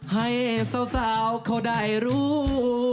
ให้สาวเขาได้รู้